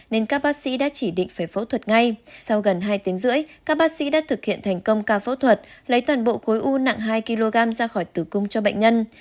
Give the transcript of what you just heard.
nên các bác sĩ đã chỉ định phải phẫu thuật ngay sau gần hai tiếng rưỡi các bác sĩ đã thực hiện thành công ca phẫu thuật lấy toàn bộ khối u nặng hai kg ra khỏi tử cung cho bệnh nhân